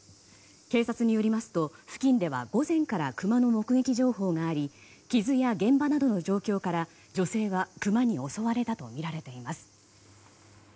警察によりますと、付近では午前からクマの目撃情報があり傷や現場などの状況から女性はクマに襲われたとみられています。